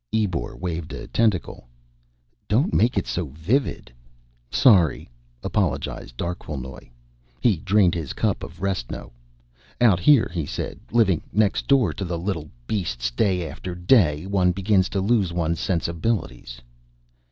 Ebor waved a tentacle. "Don't make it so vivid." "Sorry," apologized Darquelnoy. He drained his cup of restno. "Out here," he said, "living next door to the little beasts day after day, one begins to lose one's sensibilities."